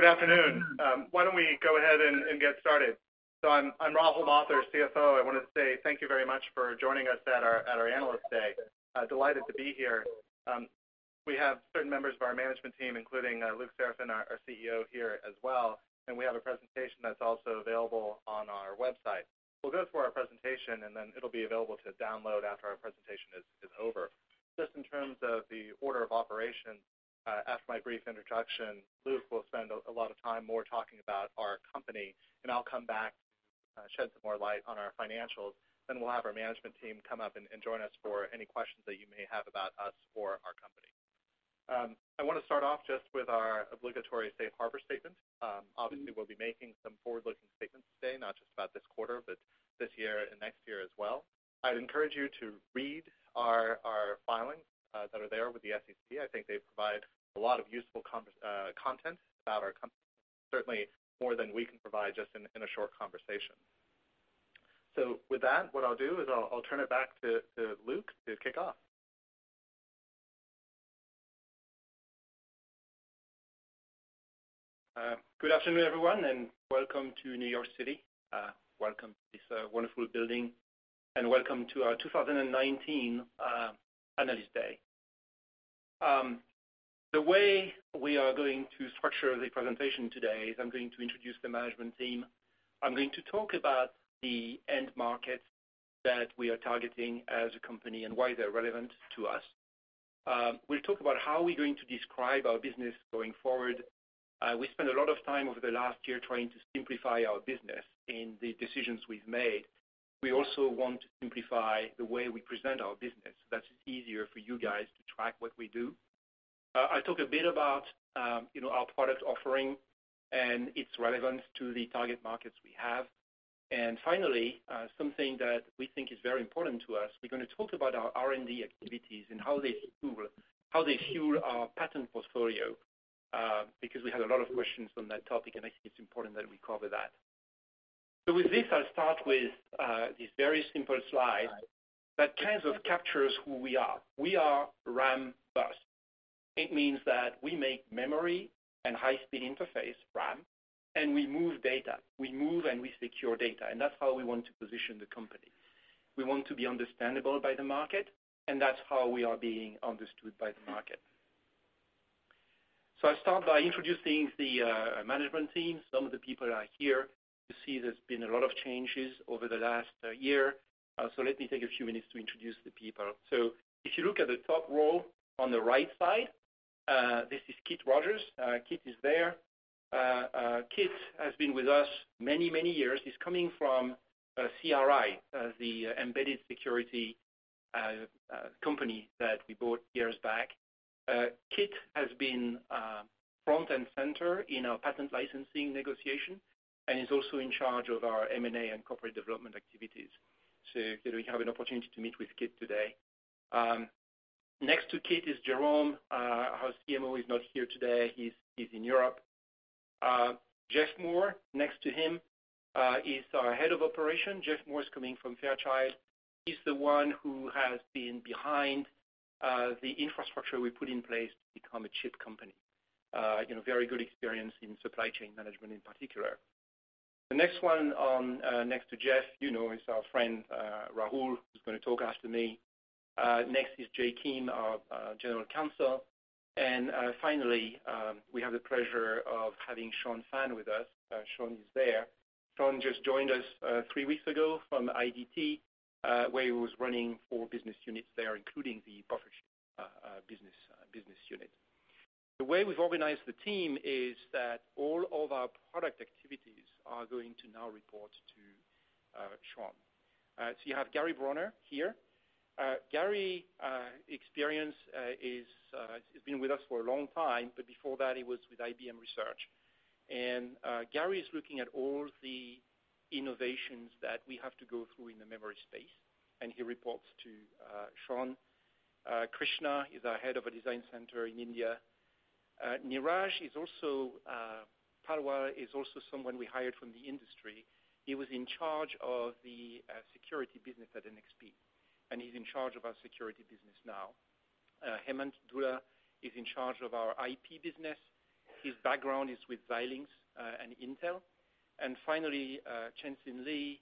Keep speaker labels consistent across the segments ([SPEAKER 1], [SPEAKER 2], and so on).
[SPEAKER 1] Good afternoon. Why don't we go ahead and get started? I'm Rahul Mathur, CFO. I want to say thank you very much for joining us at our Analyst Day. Delighted to be here. We have certain members of our management team, including Luc Seraphin, our CEO, here as well, and we have a presentation that's also available on our website. We'll go through our presentation, and then it'll be available to download after our presentation is over. Just in terms of the order of operations, after my brief introduction, Luc will spend a lot of time more talking about our company, and I'll come back, shed some more light on our financials. We'll have our management team come up and join us for any questions that you may have about us or our company. I want to start off just with our obligatory safe harbor statement. Obviously, we'll be making some forward-looking statements today, not just about this quarter, but this year and next year as well. I'd encourage you to read our filings that are there with the SEC. I think they provide a lot of useful content about our company, certainly more than we can provide just in a short conversation. With that, what I'll do is I'll turn it back to Luc to kick off.
[SPEAKER 2] Good afternoon, everyone, welcome to New York City. Welcome to this wonderful building, and welcome to our 2019 Analyst Day. The way we are going to structure the presentation today is I'm going to introduce the management team. I'm going to talk about the end markets that we are targeting as a company and why they're relevant to us. We'll talk about how we're going to describe our business going forward. We spent a lot of time over the last year trying to simplify our business in the decisions we've made. We also want to simplify the way we present our business, that it's easier for you guys to track what we do. I talk a bit about our product offering and its relevance to the target markets we have. Finally, something that we think is very important to us, we're going to talk about our R&D activities and how they fuel our patent portfolio, because we had a lot of questions on that topic, and I think it's important that we cover that. With this, I'll start with this very simple slide that kind of captures who we are. We are Rambus. It means that we make memory and high-speed interface RAM, and we move data. We move and we secure data, and that's how we want to position the company. We want to be understandable by the market, and that's how we are being understood by the market. I'll start by introducing the management team. Some of the people are here. You see there's been a lot of changes over the last year. Let me take a few minutes to introduce the people. If you look at the top row on the right side, this is Kit Rodgers. Kit is there. Kit has been with us many years. He's coming from CRI, the embedded security company that we bought years back. Kit has been front and center in our patent licensing negotiation and is also in charge of our M&A and corporate development activities. You will have an opportunity to meet with Kit today. Next to Kit is Jérôme, our CMO. He's not here today. He's in Europe. Jeff Moore, next to him, is our head of Operations. Jeff Moore is coming from Fairchild. He's the one who has been behind the infrastructure we put in place to become a chip company. Very good experience in supply chain management in particular. The next one next to Jeff is our friend Rahul, who's going to talk after me. Next is Jae Kim, our general counsel. Finally, we have the pleasure of having Sean Fan with us. Sean is there. Sean just joined us three weeks ago from IDT, where he was running four business units there, including the Buffer Chip business unit. The way we've organized the team is that all of our product activities are going to now report to Sean. You have Gary Bronner here. Gary's experience is he's been with us for a long time, but before that, he was with IBM Research. Gary is looking at all the innovations that we have to go through in the memory space, and he reports to Sean. Krishna is our head of a design center in India. Neeraj Paliwal is also someone we hired from the industry. He was in charge of the security business at NXP, and he's in charge of our security business now. Hemant Dhulla is in charge of our IP business. His background is with Xilinx and Intel. Finally, Chien-Hsin Lee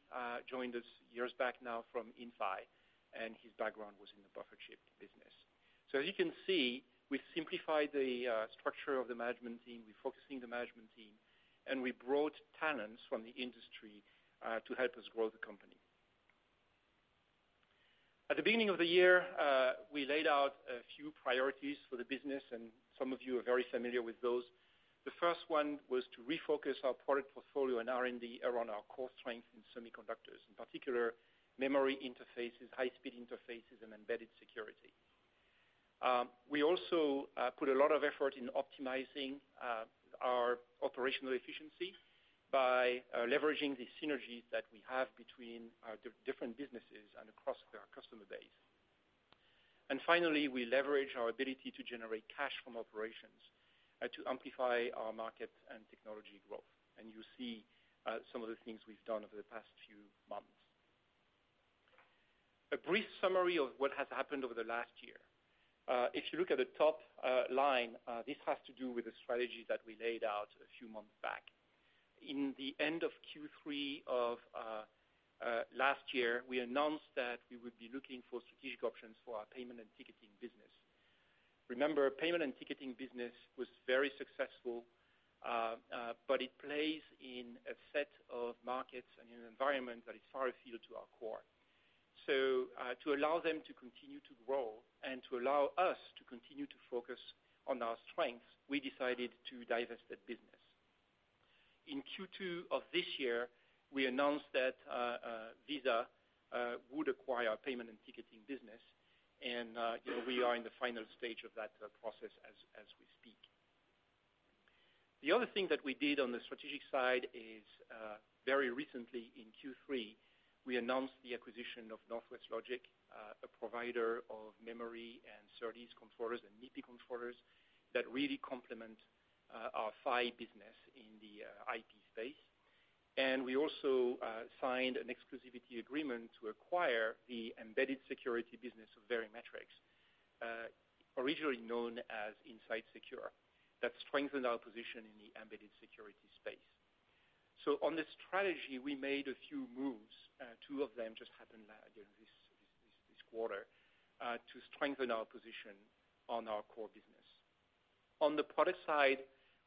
[SPEAKER 2] joined us years back now from Inphi, and his background was in the Buffer Chip business. As you can see, we simplified the structure of the management team. We're focusing the management team, and we brought talents from the industry to help us grow the company. At the beginning of the year, we laid out a few priorities for the business, and some of you are very familiar with those. The first one was to refocus our product portfolio and R&D around our core strength in semiconductors, in particular, memory interfaces, high-speed interfaces, and embedded security. We also put a lot of effort in optimizing our operational efficiency by leveraging the synergies that we have between our different businesses and across our customer base. Finally, we leverage our ability to generate cash from operations to amplify our market and technology growth. You see some of the things we've done over the past few months. A brief summary of what has happened over the last year. If you look at the top line, this has to do with the strategy that we laid out a few months back. In the end of Q3 of last year, we announced that we would be looking for strategic options for our payment and ticketing business. Remember, payment and ticketing business was very successful, but it plays in a set of markets and in an environment that is far afield to our core. To allow them to continue to grow and to allow us to continue to focus on our strengths, we decided to divest that business. In Q2 of this year, we announced that Visa would acquire our payment and ticketing business, and we are in the final stage of that process as we speak. The other thing that we did on the strategic side is, very recently in Q3, we announced the acquisition of Northwest Logic, a provider of memory and SerDes controllers and MIPI controllers that really complement our PHY business in the IP space. We also signed an exclusivity agreement to acquire the embedded security business of Verimatrix, originally known as Inside Secure. That strengthened our position in the embedded security space. On the strategy, we made a few moves, two of them just happened this quarter, to strengthen our position on our core business. On the product side,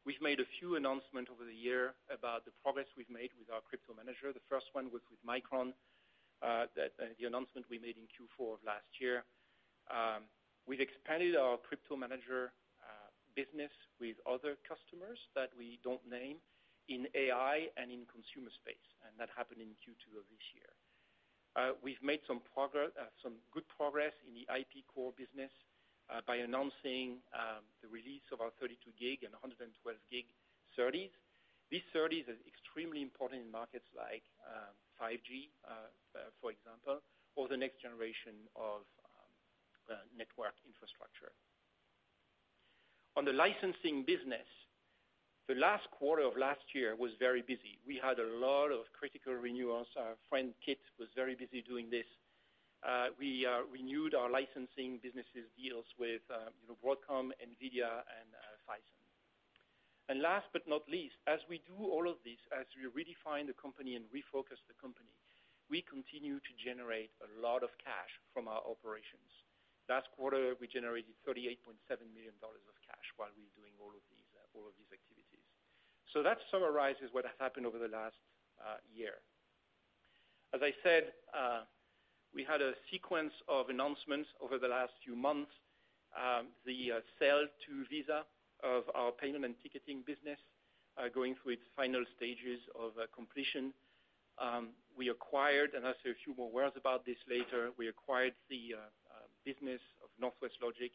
[SPEAKER 2] we've made a few announcements over the year about the progress we've made with our CryptoManager. The first one was with Micron, the announcement we made in Q4 of last year. We've expanded our CryptoManager business with other customers that we don't name in AI and in consumer space, and that happened in Q2 of this year. We've made some good progress in the IP core business by announcing the release of our 32 gig and 112 gig SerDes. This SerDes is extremely important in markets like 5G, for example, or the next generation of network infrastructure. On the licensing business, the last quarter of last year was very busy. Our friend, Kit, was very busy doing this. We renewed our licensing businesses deals with Broadcom, Nvidia, and Phison. Last but not least, as we do all of this, as we redefine the company and refocus the company, we continue to generate a lot of cash from our operations. Last quarter, we generated $38.7 million of cash while we're doing all of these activities. That summarizes what has happened over the last year. As I said, we had a sequence of announcements over the last few months. The sale to Visa of our payment and ticketing business are going through its final stages of completion. We acquired, and I'll say a few more words about this later, we acquired the business of Northwest Logic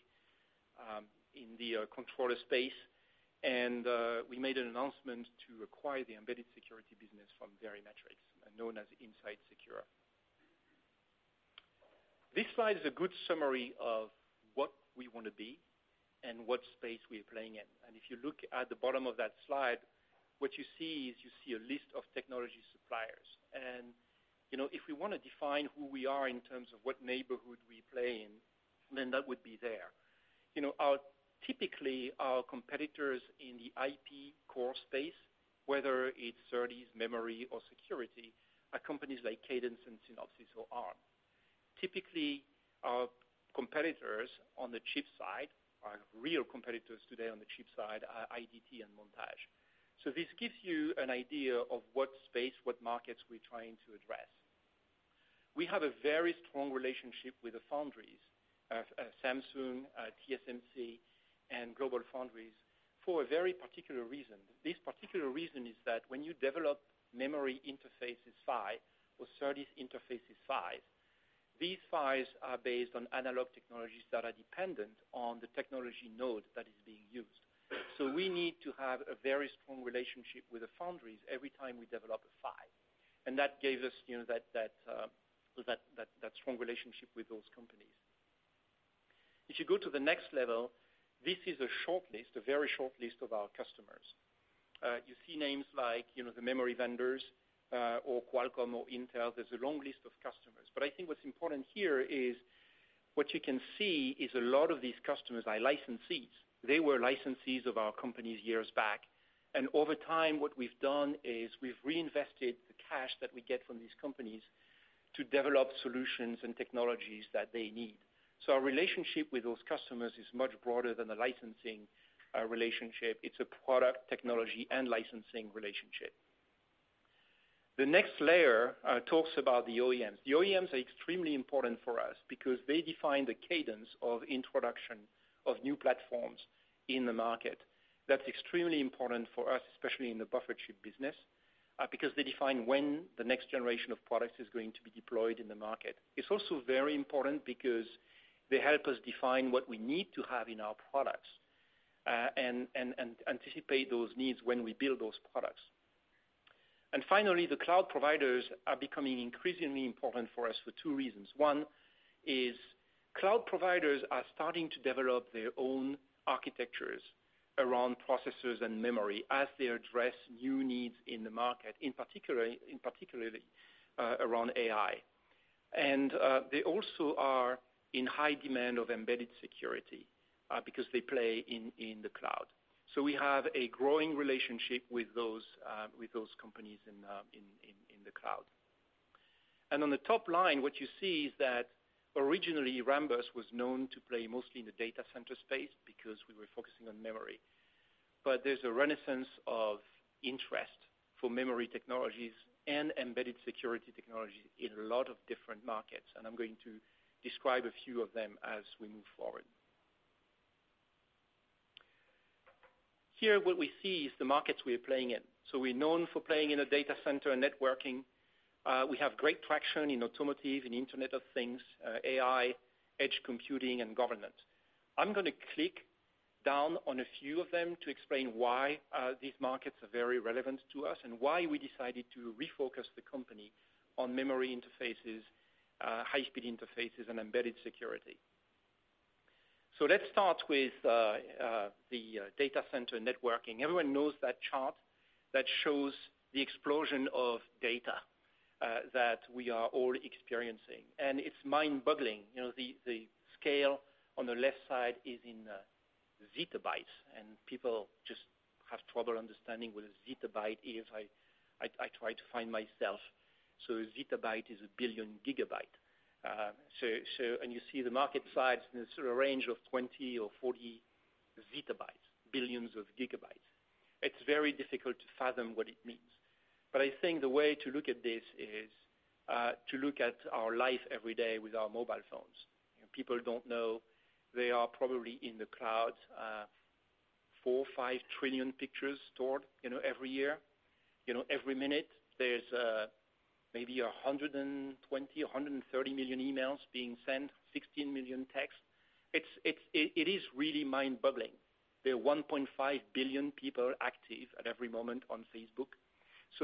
[SPEAKER 2] in the controller space, and we made an announcement to acquire the embedded security business from Verimatrix, known as Inside Secure. This slide is a good summary of what we want to be and what space we are playing in. If you look at the bottom of that slide, what you see is you see a list of technology suppliers. If we want to define who we are in terms of what neighborhood we play in, then that would be there. Typically, our competitors in the IP core space, whether it's SerDes, memory, or security, are companies like Cadence and Synopsys or Arm. Typically, our competitors on the chip side, our real competitors today on the chip side, are IDT and Montage. This gives you an idea of what space, what markets we're trying to address. We have a very strong relationship with the foundries, Samsung, TSMC, and GlobalFoundries, for a very particular reason. This particular reason is that when you develop memory interfaces PHY or SerDes interfaces PHY, these PHYs are based on analog technologies that are dependent on the technology node that is being used. We need to have a very strong relationship with the foundries every time we develop a PHY. That gave us that strong relationship with those companies. If you go to the next level, this is a short list, a very short list of our customers. You see names like the memory vendors or Qualcomm or Intel. There's a long list of customers. I think what's important here is what you can see is a lot of these customers are licensees. They were licensees of our company years back. Over time, what we've done is we've reinvested the cash that we get from these companies to develop solutions and technologies that they need. Our relationship with those customers is much broader than a licensing relationship. It's a product, technology, and licensing relationship. The next layer talks about the OEMs. The OEMs are extremely important for us because they define the cadence of introduction of new platforms in the market. That's extremely important for us, especially in the Buffer Chip business, because they define when the next generation of products is going to be deployed in the market. It's also very important because they help us define what we need to have in our products, and anticipate those needs when we build those products. Finally, the cloud providers are becoming increasingly important for us for two reasons. One is. Cloud providers are starting to develop their own architectures around processors and memory as they address new needs in the market, in particular around AI. They also are in high demand of embedded security because they play in the cloud. We have a growing relationship with those companies in the cloud. On the top line, what you see is that originally Rambus was known to play mostly in the data center space because we were focusing on memory. There's a renaissance of interest for memory technologies and embedded security technologies in a lot of different markets, and I'm going to describe a few of them as we move forward. Here what we see is the markets we are playing in. We're known for playing in a data center, networking. We have great traction in automotive and Internet of Things, AI, edge computing, and government. I'm going to click down on a few of them to explain why these markets are very relevant to us and why we decided to refocus the company on memory interfaces, high-speed interfaces, and embedded security. Let's start with the data center networking. Everyone knows that chart that shows the explosion of data that we are all experiencing. It's mind-boggling. The scale on the left side is in zettabytes. People just have trouble understanding what a zettabyte is. I try to find myself. A zettabyte is a billion gigabyte. You see the market size in a sort of range of 20 or 40 zettabytes, billions of gigabytes. It's very difficult to fathom what it means. I think the way to look at this is, to look at our life every day with our mobile phones. People don't know, they are probably in the cloud, four, five trillion pictures stored every year. Every minute there's maybe 120, 130 million emails being sent, 16 million texts. It is really mind-boggling. There are 1.5 billion people active at every moment on Facebook.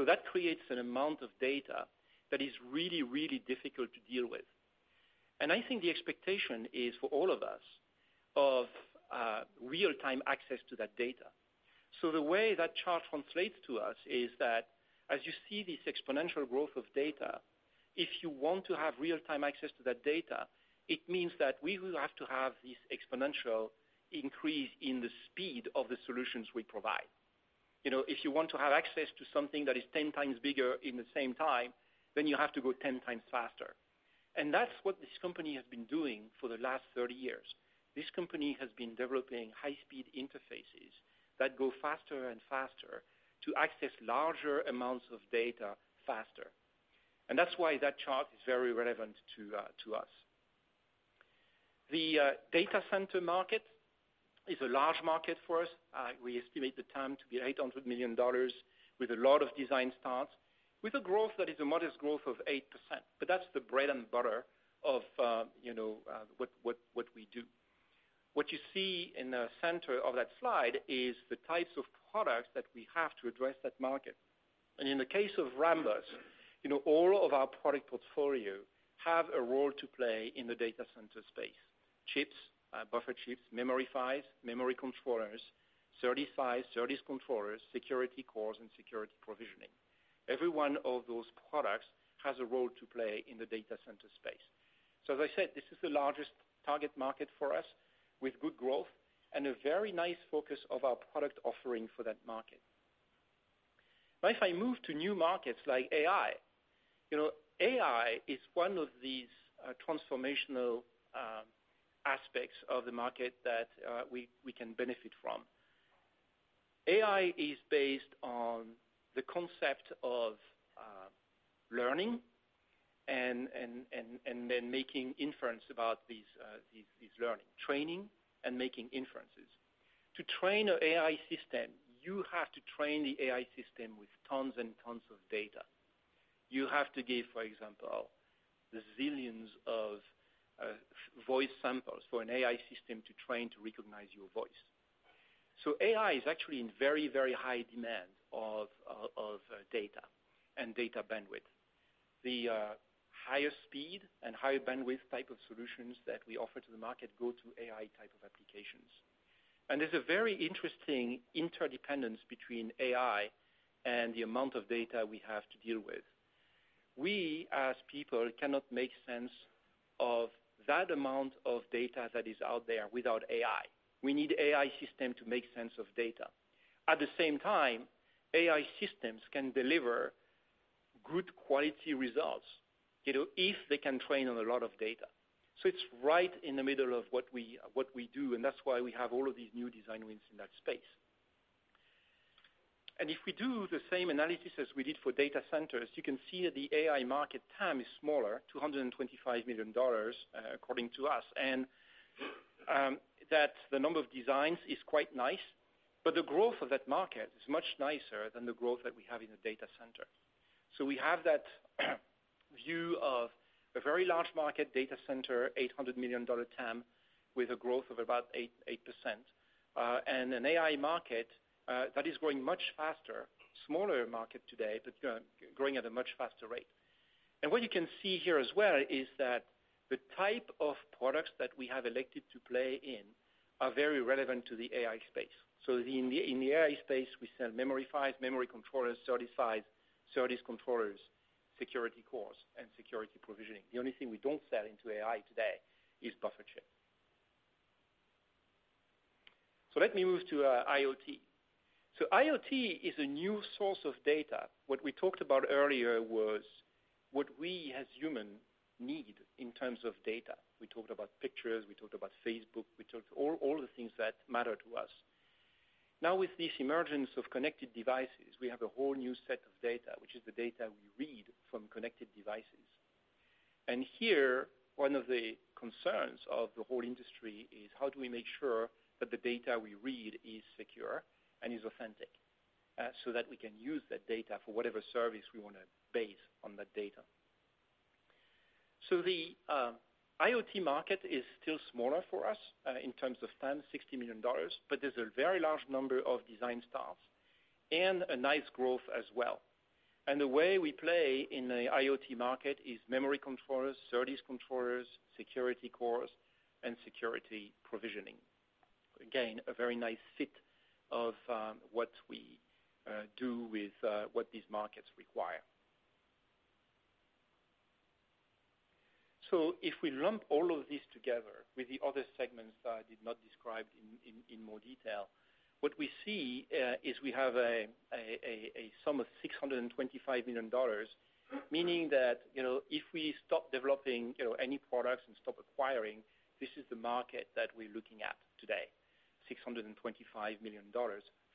[SPEAKER 2] That creates an amount of data that is really, really difficult to deal with. I think the expectation is for all of us of real-time access to that data. The way that chart translates to us is that as you see this exponential growth of data, if you want to have real-time access to that data, it means that we will have to have this exponential increase in the speed of the solutions we provide. If you want to have access to something that is 10 times bigger in the same time, then you have to go 10 times faster. That's what this company has been doing for the last 30 years. This company has been developing high-speed interfaces that go faster and faster to access larger amounts of data faster. That's why that chart is very relevant to us. The data center market is a large market for us. We estimate the TAM to be $800 million with a lot of design starts, with a growth that is a modest growth of 8%, but that's the bread and butter of what we do. What you see in the center of that slide is the types of products that we have to address that market. In the case of Rambus, all of our product portfolio have a role to play in the data center space. Chips, buffer chips, memory PHYs, memory controllers, SerDes PHYs, SerDes controllers, security cores, and security provisioning. Every one of those products has a role to play in the data center space. As I said, this is the largest target market for us with good growth and a very nice focus of our product offering for that market. If I move to new markets like AI is one of these transformational aspects of the market that we can benefit from. AI is based on the concept of learning and then making inference about these learning, training and making inferences. To train an AI system, you have to train the AI system with tons and tons of data. You have to give, for example, the zillions of voice samples for an AI system to train to recognize your voice. AI is actually in very high demand of data and data bandwidth. The higher speed and higher bandwidth type of solutions that we offer to the market go to AI type of applications. There's a very interesting interdependence between AI and the amount of data we have to deal with. We, as people, cannot make sense of that amount of data that is out there without AI. We need AI system to make sense of data. At the same time, AI systems can deliver good quality results, if they can train on a lot of data. It's right in the middle of what we do, and that's why we have all of these new design wins in that space. If we do the same analysis as we did for data centers, you can see that the AI market TAM is smaller, $225 million, according to us, and that the number of designs is quite nice. The growth of that market is much nicer than the growth that we have in the data center. We have that view of a very large market data center, $800 million TAM, with a growth of about 8%. An AI market that is growing much faster, smaller market today, but growing at a much faster rate. What you can see here as well is that the type of products that we have elected to play in are very relevant to the AI space. In the AI space, we sell memory PHYs, memory controllers, SerDes PHYs, SerDes controllers, security cores, and security provisioning. The only thing we don't sell into AI today is Buffer Chip. Let me move to IoT. IoT is a new source of data. What we talked about earlier was what we as humans need in terms of data. We talked about pictures, we talked about Facebook, we talked all the things that matter to us. Now, with this emergence of connected devices, we have a whole new set of data, which is the data we read from connected devices. Here, one of the concerns of the whole industry is how do we make sure that the data we read is secure and is authentic, so that we can use that data for whatever service we want to base on that data. The IoT market is still smaller for us, in terms of spend, $60 million, but there's a very large number of design starts and a nice growth as well. The way we play in the IoT market is memory controllers, service controllers, security cores, and security provisioning. Again, a very nice fit of what we do with what these markets require. If we lump all of this together with the other segments that I did not describe in more detail, what we see is we have a sum of $625 million, meaning that, if we stop developing any products and stop acquiring, this is the market that we're looking at today, $625 million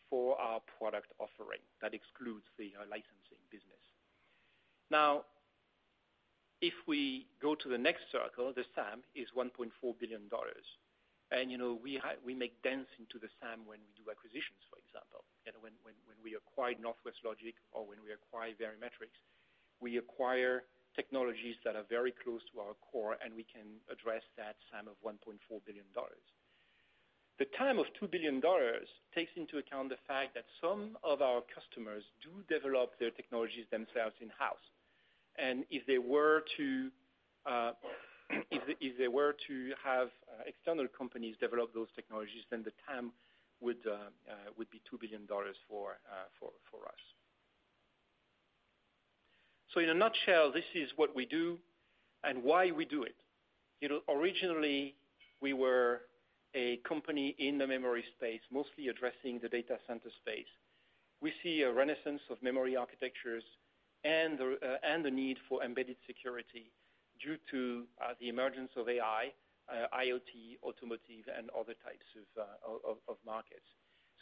[SPEAKER 2] for our product offering. That excludes the licensing business. If we go to the next circle, the SAM is $1.4 billion. We make dents into the SAM when we do acquisitions, for example. When we acquired Northwest Logic or when we acquired Verimatrix, we acquire technologies that are very close to our core, and we can address that SAM of $1.4 billion. The TAM of $2 billion takes into account the fact that some of our customers do develop their technologies themselves in-house. If they were to have external companies develop those technologies, then the TAM would be $2 billion for us. In a nutshell, this is what we do and why we do it. Originally, we were a company in the memory space, mostly addressing the data center space. We see a renaissance of memory architectures and the need for embedded security due to the emergence of AI, IoT, automotive, and other types of markets.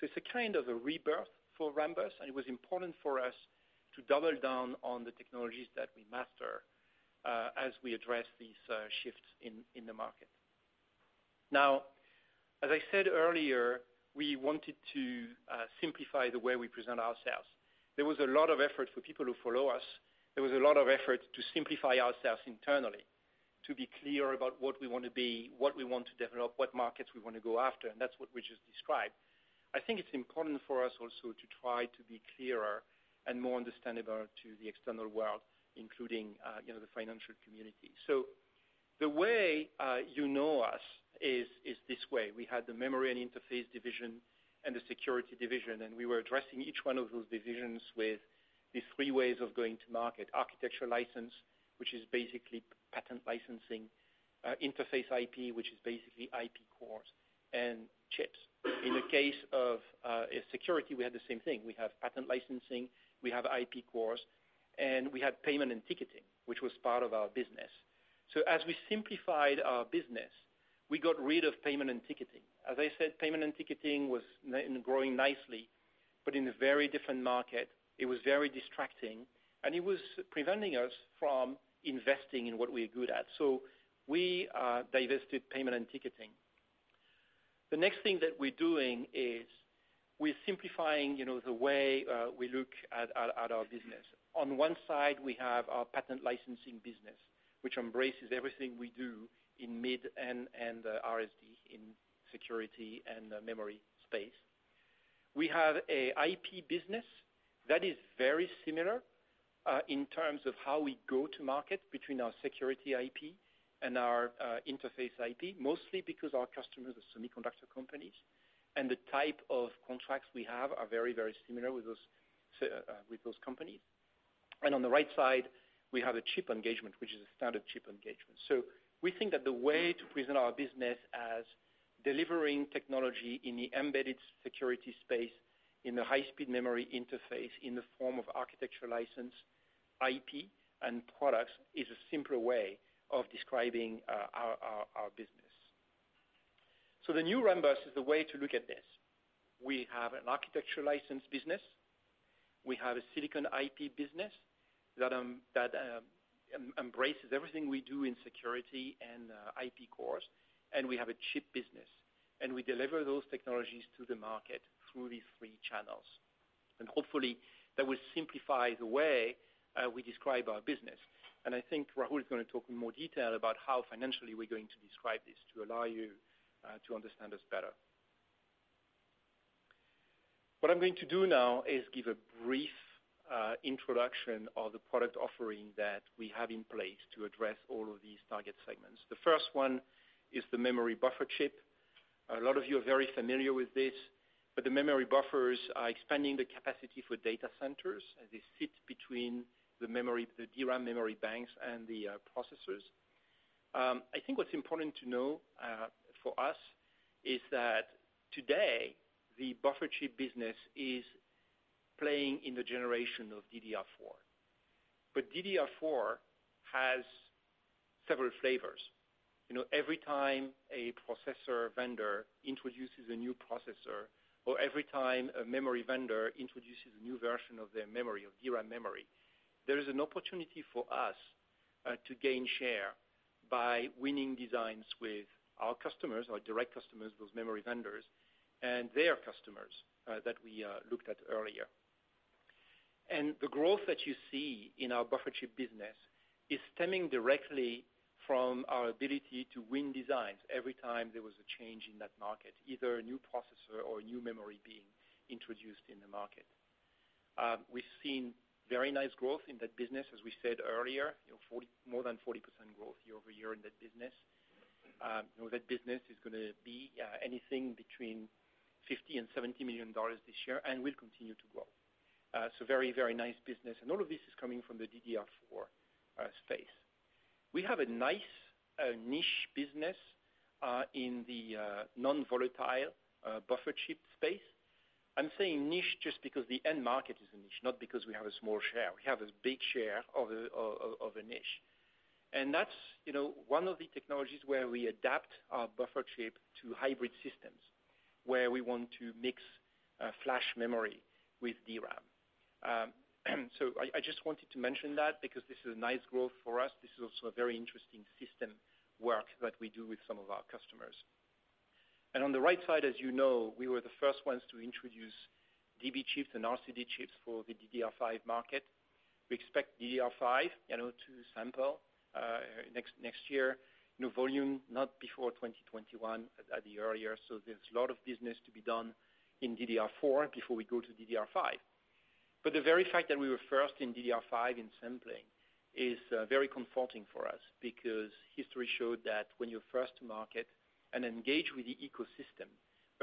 [SPEAKER 2] It's a kind of a rebirth for Rambus, and it was important for us to double down on the technologies that we master as we address these shifts in the market. As I said earlier, we wanted to simplify the way we present ourselves. There was a lot of effort for people who follow us. There was a lot of effort to simplify ourselves internally, to be clear about what we want to be, what we want to develop, what markets we want to go after, and that's what we just described. I think it's important for us also to try to be clearer and more understandable to the external world, including the financial community. The way you know us is this way. We had the Memory and Interface Division and the Rambus Security Division, and we were addressing each one of those divisions with the three ways of going to market. Architecture license, which is basically patent licensing, interface IP, which is basically IP cores and chips. In the case of security, we had the same thing. We have patent licensing, we have IP cores, and we have payments and ticketing, which was part of our business. As we simplified our business, we got rid of payment and ticketing. As I said, payment and ticketing was growing nicely, but in a very different market. It was very distracting, and it was preventing us from investing in what we're good at. We divested payment and ticketing. The next thing that we're doing is we're simplifying the way we look at our business. On one side, we have our patent licensing business, which embraces everything we do in MID and RSD in security and memory space. We have a IP business that is very similar in terms of how we go to market between our security IP and our interface IP, mostly because our customers are semiconductor companies, and the type of contracts we have are very, very similar with those companies. On the right side, we have a chip engagement, which is a standard chip engagement. We think that the way to present our business as delivering technology in the embedded security space, in the high-speed memory interface, in the form of architecture license, IP, and products is a simpler way of describing our business. The new Rambus is the way to look at this. We have an architecture license business. We have a silicon IP business that embraces everything we do in security and IP cores, and we have a chip business. We deliver those technologies to the market through these three channels. Hopefully that will simplify the way we describe our business. I think Rahul is going to talk in more detail about how financially we're going to describe this to allow you to understand us better. What I'm going to do now is give a brief introduction of the product offering that we have in place to address all of these target segments. The first one is the Memory Buffer Chip. A lot of you are very familiar with this. The memory buffers are expanding the capacity for data centers. They sit between the DRAM memory banks and the processors. I think what's important to know for us is that today the buffer chip business is playing in the generation of DDR4. DDR4 has several flavors. Every time a processor vendor introduces a new processor or every time a memory vendor introduces a new version of their memory, of DRAM memory, there is an opportunity for us to gain share by winning designs with our customers, our direct customers, those memory vendors, and their customers that we looked at earlier. The growth that you see in our Buffer Chip business is stemming directly from our ability to win designs every time there was a change in that market, either a new processor or a new memory being introduced in the market. We've seen very nice growth in that business, as we said earlier, more than 40% growth year-over-year in that business. That business is going to be anything between $50 million and $70 million this year, and will continue to grow. Very, very nice business. All of this is coming from the DDR4 space. We have a nice niche business in the non-volatile Buffer Chip space. I'm saying niche just because the end market is a niche, not because we have a small share. We have a big share of a niche. That's one of the technologies where we adapt our Buffer Chip to hybrid systems, where we want to mix flash memory with DRAM. I just wanted to mention that because this is a nice growth for us. This is also a very interesting system work that we do with some of our customers. On the right side, as you know, we were the first ones to introduce DB chips and RCD chips for the DDR5 market. We expect DDR5 to sample next year. New volume, not before 2021, a year earlier. There's a lot of business to be done in DDR4 before we go to DDR5. The very fact that we were first in DDR5 in sampling is very comforting for us, because history showed that when you're first to market and engage with the ecosystem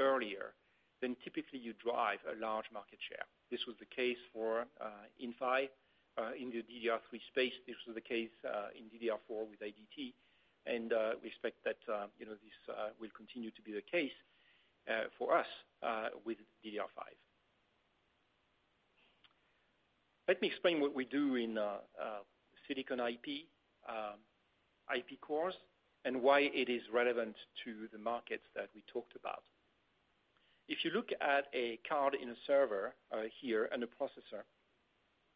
[SPEAKER 2] earlier, then typically you drive a large market share. This was the case for Inphi in the DDR3 space. This was the case in DDR4 with IDT and we expect that this will continue to be the case for us with DDR5. Let me explain what we do in silicon IP cores, and why it is relevant to the markets that we talked about. If you look at a card in a server here and a processor,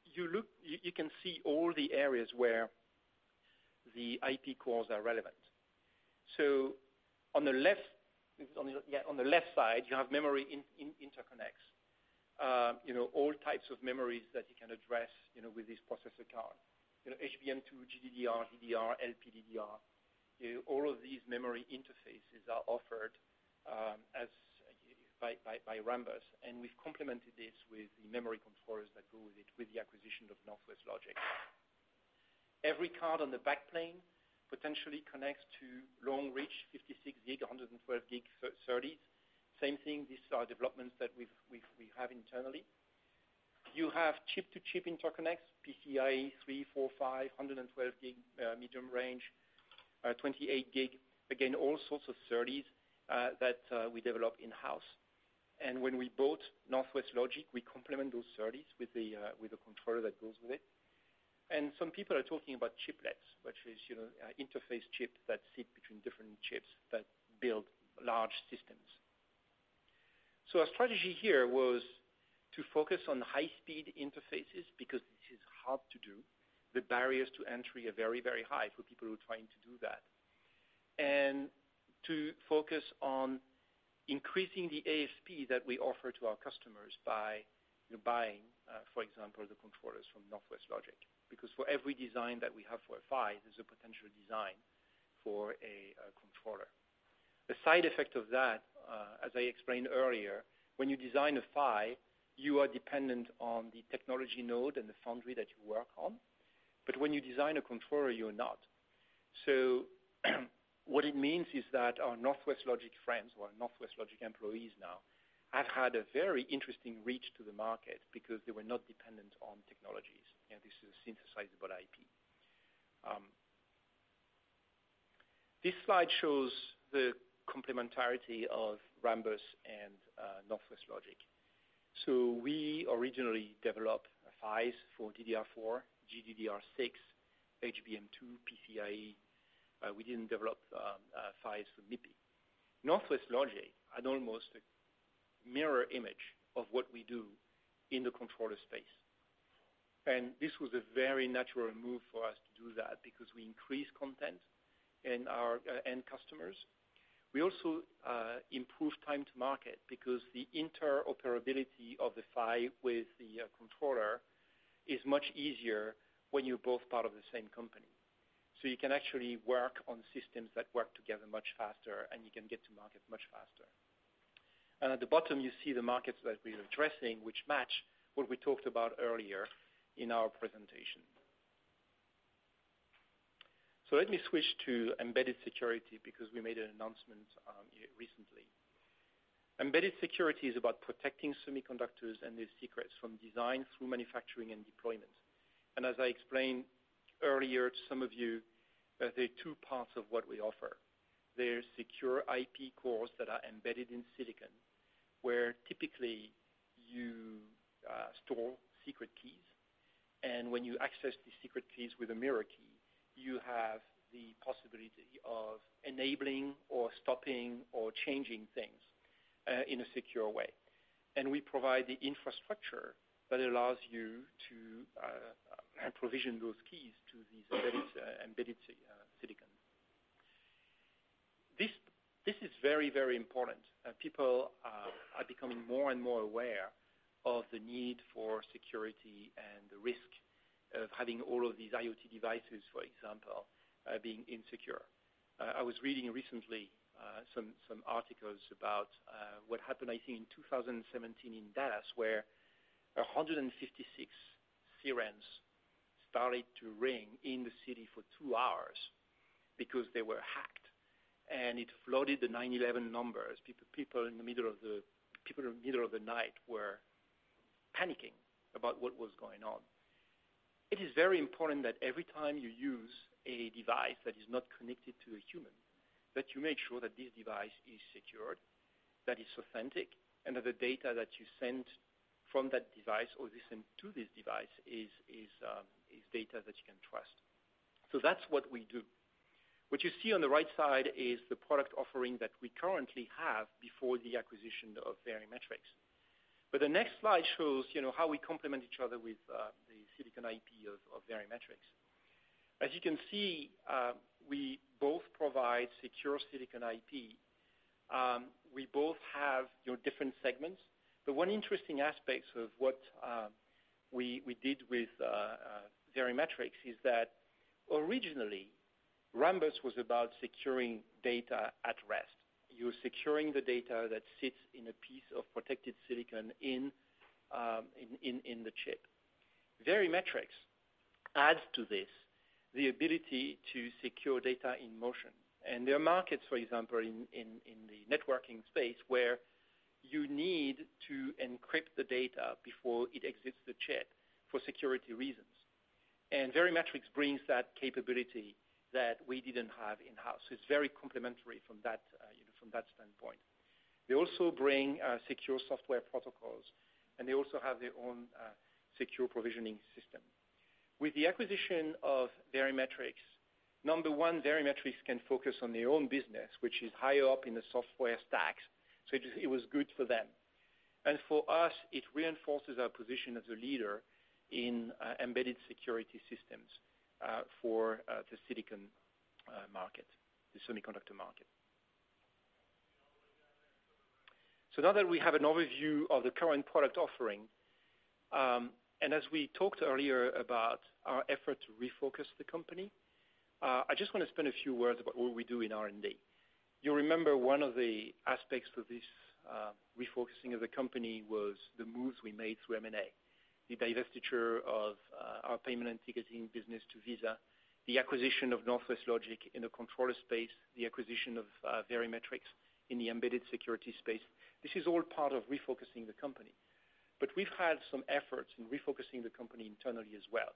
[SPEAKER 2] you can see all the areas where the IP cores are relevant. On the left side, you have memory interconnects. All types of memories that you can address with this processor card. HBM2, GDDR, DDR, LPDDR. All of these memory interfaces are offered by Rambus, and we've complemented this with the memory controllers that go with it with the acquisition of Northwest Logic. Every card on the back plane potentially connects to Long Reach 56 gig, 112 gig SerDes. Same thing, these are developments that we have internally. You have chip to chip interconnects, PCIe 3, 4, 5, 112G, medium range, 28G. Again, all sorts of SerDes that we develop in-house. When we bought Northwest Logic, we complement those SerDes with the controller that goes with it. Some people are talking about chiplets, which is interface chips that sit between different chips that build large systems. Our strategy here was to focus on high-speed interfaces because this is hard to do. The barriers to entry are very, very high for people who are trying to do that. To focus on increasing the ASP that we offer to our customers by buying, for example, the controllers from Northwest Logic. Because for every design that we have for a PHY, there's a potential design for a controller. The side effect of that, as I explained earlier, when you design a PHY, you are dependent on the technology node and the foundry that you work on. When you design a controller, you're not. What it means is that our Northwest Logic friends, or Northwest Logic employees now, have had a very interesting reach to the market because they were not dependent on technologies, and this is synthesizable IP. This slide shows the complementarity of Rambus and Northwest Logic. We originally developed PHYs for DDR4, GDDR6, HBM2, PCIe. We didn't develop PHYs for MIPI. Northwest Logic had almost a mirror image of what we do in the controller space. This was a very natural move for us to do that because we increase content in our end customers. We also improve time to market because the interoperability of the PHY with the controller is much easier when you're both part of the same company. You can actually work on systems that work together much faster, and you can get to market much faster. At the bottom, you see the markets that we're addressing, which match what we talked about earlier in our presentation. Let me switch to embedded security because we made an announcement recently. Embedded security is about protecting semiconductors and their secrets from design through manufacturing and deployment. As I explained earlier to some of you, there are two parts of what we offer. There are secure IP cores that are embedded in silicon, where typically you store secret keys. When you access the secret keys with a mirror key, you have the possibility of enabling or stopping or changing things in a secure way. We provide the infrastructure that allows you to provision those keys to these embedded silicon. This is very important. People are becoming more and more aware of the need for security and the risk of having all of these IoT devices, for example, being insecure. I was reading recently some articles about what happened, I think, in 2017 in Dallas, where 156 sirens started to ring in the city for two hours because they were hacked, and it flooded the 911 numbers. People in the middle of the night were panicking about what was going on. It is very important that every time you use a device that is not connected to a human, that you make sure that this device is secured, that it's authentic, and that the data that you sent from that device or they send to this device is data that you can trust. That's what we do. What you see on the right side is the product offering that we currently have before the acquisition of Verimatrix. The next slide shows how we complement each other with the silicon IP of Verimatrix. As you can see, we both provide secure silicon IP. We both have different segments, but one interesting aspect of what we did with Verimatrix is that originally Rambus was about securing data at rest. You're securing the data that sits in a piece of protected silicon in the chip. Verimatrix adds to this, the ability to secure data in motion. There are markets, for example, in the networking space, where you need to encrypt the data before it exits the chip for security reasons. Verimatrix brings that capability that we didn't have in-house. It's very complementary from that standpoint. They also bring secure software protocols, and they also have their own secure provisioning system. With the acquisition of Verimatrix, number one, Verimatrix can focus on their own business, which is higher up in the software stacks. It was good for them. For us, it reinforces our position as a leader in embedded security systems for the silicon market, the semiconductor market. Now that we have an overview of the current product offering, and as we talked earlier about our effort to refocus the company, I just want to spend a few words about what we do in R&D. You remember one of the aspects of this refocusing of the company was the moves we made through M&A, the divestiture of our payment and ticketing business to Visa, the acquisition of Northwest Logic in the controller space, the acquisition of Verimatrix in the embedded security space. This is all part of refocusing the company. We've had some efforts in refocusing the company internally as well.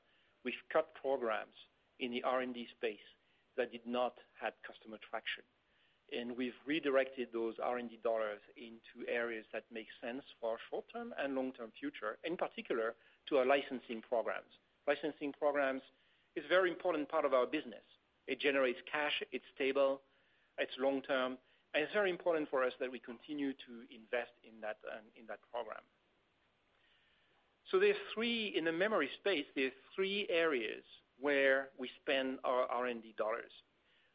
[SPEAKER 2] We've cut programs in the R&D space that did not have customer traction, and we've redirected those R&D dollars into areas that make sense for our short-term and long-term future, in particular, to our licensing programs. Licensing programs is very important part of our business. It generates cash, it's stable, it's long-term, and it's very important for us that we continue to invest in that program. In the memory space, there's three areas where we spend our R&D dollars.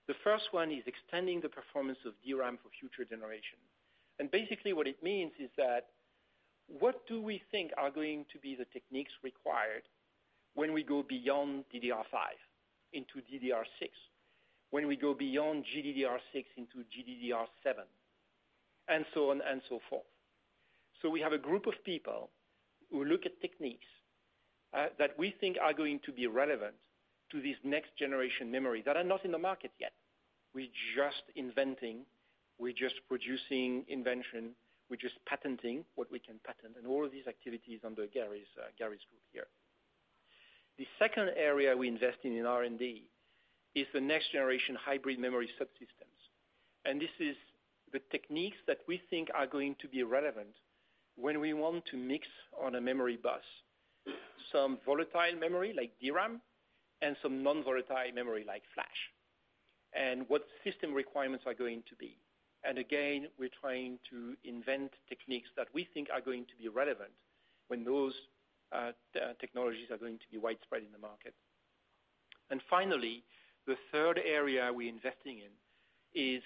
[SPEAKER 2] The first one is extending the performance of DRAM for future generation. Basically, what it means is that what do we think are going to be the techniques required when we go beyond DDR5 into DDR6, when we go beyond GDDR6 into GDDR7, and so on and so forth. We have a group of people who look at techniques that we think are going to be relevant to these next-generation memory that are not in the market yet. We're just inventing, we're just producing invention, we're just patenting what we can patent, and all of these activities under Gary's group here. The second area we invest in in R&D is the next-generation hybrid memory subsystems. This is the techniques that we think are going to be relevant when we want to mix on a memory bus some volatile memory like DRAM and some non-volatile memory like flash, and what system requirements are going to be. Again, we're trying to invent techniques that we think are going to be relevant when those technologies are going to be widespread in the market. Finally, the third area we're investing in is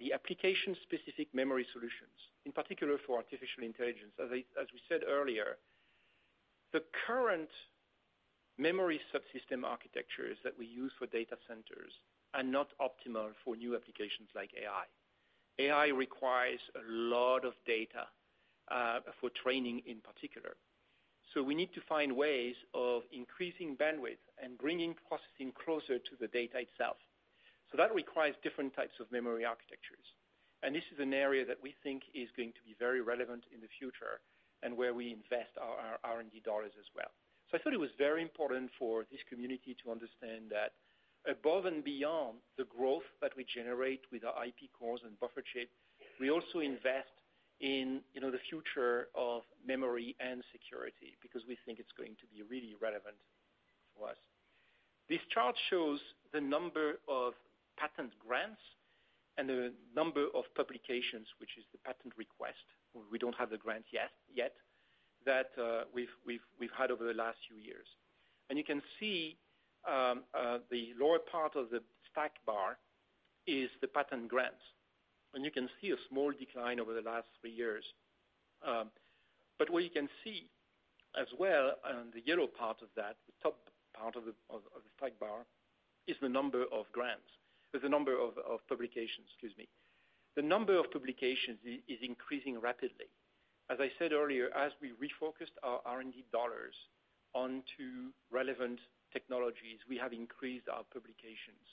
[SPEAKER 2] the application-specific memory solutions, in particular for artificial intelligence. As we said earlier, the current memory subsystem architectures that we use for data centers are not optimal for new applications like AI. AI requires a lot of data, for training in particular. We need to find ways of increasing bandwidth and bringing processing closer to the data itself. That requires different types of memory architectures. This is an area that we think is going to be very relevant in the future, and where we invest our R&D dollars as well. I thought it was very important for this community to understand that above and beyond the growth that we generate with our IP cores and Buffer Chip, we also invest in the future of memory and security, because we think it's going to be really relevant for us. This chart shows the number of patent grants and the number of publications, which is the patent request, where we don't have the grants yet, that we've had over the last few years. You can see the lower part of the stack bar is the patent grants, and you can see a small decline over the last three years. What you can see as well on the yellow part of that, the top part of the stack bar, is the number of publications. The number of publications is increasing rapidly. As I said earlier, as we refocused our R&D dollars onto relevant technologies, we have increased our publications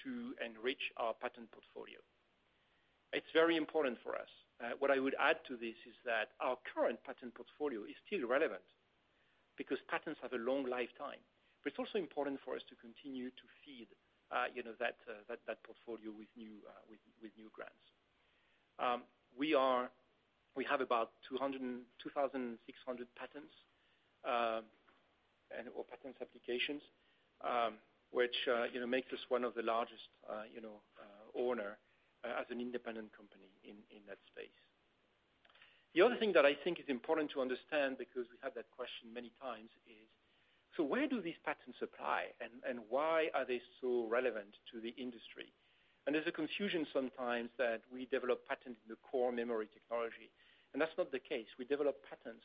[SPEAKER 2] to enrich our patent portfolio. It's very important for us. What I would add to this is that our current patent portfolio is still relevant because patents have a long lifetime. It's also important for us to continue to feed that portfolio with new grants. We have about 2,600 patents or patent applications, which makes us one of the largest owner as an independent company in that space. The other thing that I think is important to understand, because we have that question many times, is, so where do these patents apply, and why are they so relevant to the industry? There's a confusion sometimes that we develop patents in the core memory technology, and that's not the case. We develop patents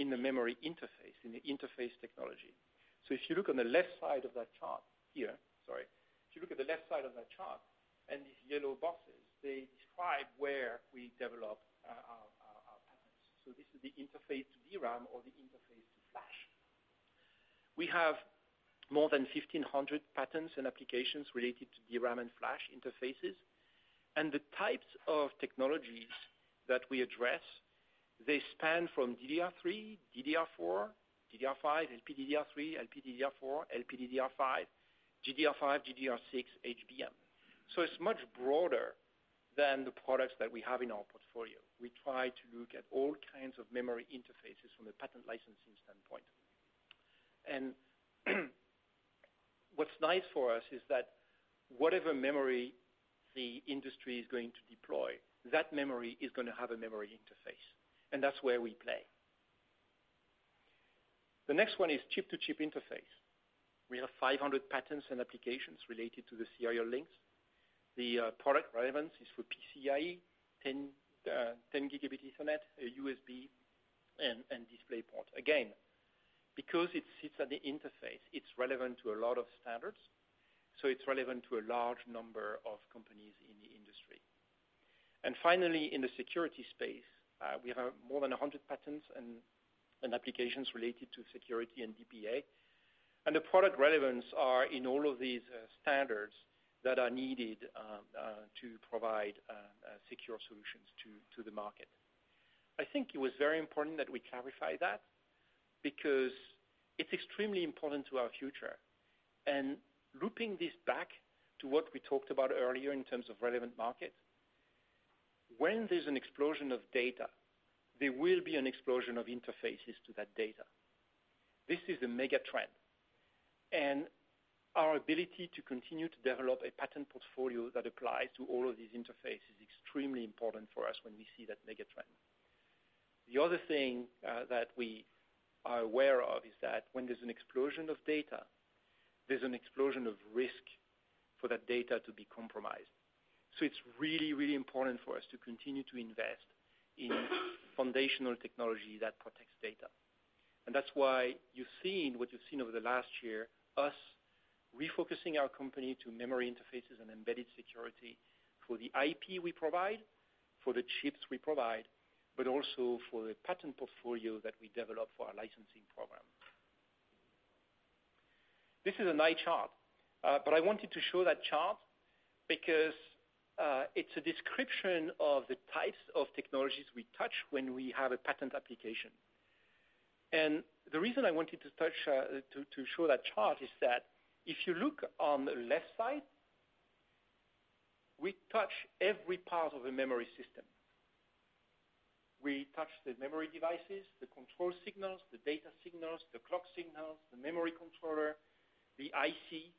[SPEAKER 2] in the memory interface, in the interface technology. If you look on the left side of that chart here. If you look at the left side of that chart and these yellow boxes, they describe where we develop our patents. This is the interface to DRAM or the interface to flash. We have more than 1,500 patents and applications related to DRAM and flash interfaces. The types of technologies that we address, they span from DDR3, DDR4, DDR5, LPDDR3, LPDDR4, LPDDR5, GDDR5, GDDR6, HBM. It's much broader than the products that we have in our portfolio. We try to look at all kinds of memory interfaces from a patent licensing standpoint. What's nice for us is that whatever memory the industry is going to deploy, that memory is going to have a memory interface, and that's where we play. The next one is chip-to-chip interface. We have 500 patents and applications related to the serial links. The product relevance is for PCIe, 10 Gigabit Ethernet, USB, and DisplayPort. Because it sits at the interface, it's relevant to a lot of standards, so it's relevant to a large number of companies in the industry. Finally, in the security space, we have more than 100 patents and applications related to security and DPA. The product relevance are in all of these standards that are needed to provide secure solutions to the market. I think it was very important that we clarify that because it's extremely important to our future. Looping this back to what we talked about earlier in terms of relevant market, when there's an explosion of data, there will be an explosion of interfaces to that data. This is a mega trend, and our ability to continue to develop a patent portfolio that applies to all of these interfaces is extremely important for us when we see that mega trend. The other thing that we are aware of is that when there's an explosion of data, there's an explosion of risk for that data to be compromised. It's really, really important for us to continue to invest in foundational technology that protects data. That's why you've seen what you've seen over the last year, us refocusing our company to memory interfaces and embedded security for the IP we provide, for the chips we provide, but also for the patent portfolio that we develop for our licensing program. This is an eye chart, but I wanted to show that chart because it's a description of the types of technologies we touch when we have a patent application. The reason I wanted to show that chart is that if you look on the left side, we touch every part of a memory system. We touch the memory devices, the control signals, the data signals, the clock signals, the memory controller, the IC.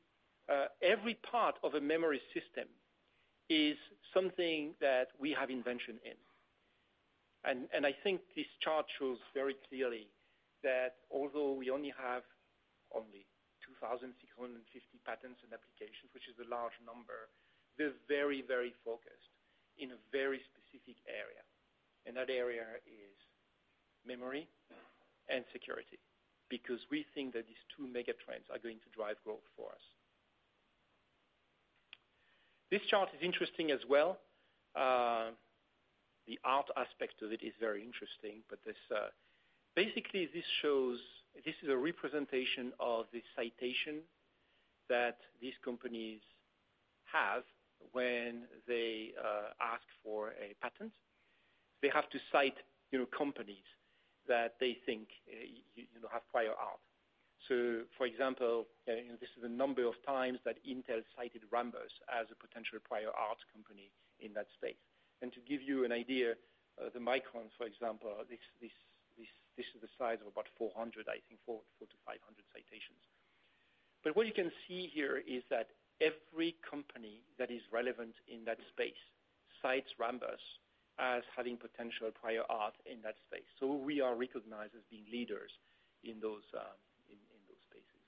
[SPEAKER 2] Every part of a memory system is something that we have invention in. I think this chart shows very clearly that although we only have 2,650 patents and applications, which is a large number, we're very focused in a very specific area. That area is Memory and Security, because we think that these two mega trends are going to drive growth for us. This chart is interesting as well. The art aspect of it is very interesting. Basically, this is a representation of the citation that these companies have when they ask for a patent. They have to cite companies that they think have prior art. For example, this is the number of times that Intel cited Rambus as a potential prior art company in that space. To give you an idea, the Micron, for example, this is the size of about 400, I think 400-500 citations. What you can see here is that every company that is relevant in that space cites Rambus as having potential prior art in that space. We are recognized as being leaders in those spaces.